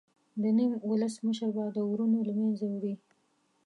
د نیم ولس مشر به د ورونو له منځه وي.